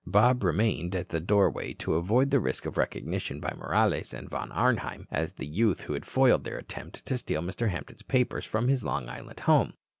Bob remained at the doorway to avoid the risk of recognition by Morales and Von Arnheim as the youth who had foiled their attempt to steal Mr. Hampton's papers from his Long Island home.